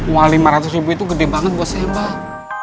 wah lima ratus ribu itu gede banget buat saya bang